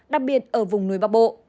đặc biệt ở vùng núi bắc bộ